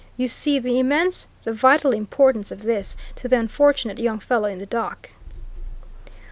You see the immense, the vital importance of this to the unfortunate young fellow in the dock?"